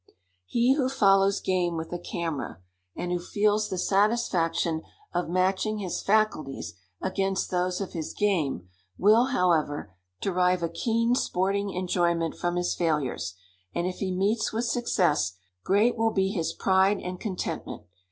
He who follows game with a camera, and who feels the satisfaction of matching his faculties against those of his game, will, however, derive a keen sporting enjoyment from his failures; and if he meets with success, great will be his pride and contentment.